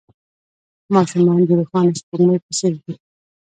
ماشومان د روښانه سپوږمۍ په څېر دي.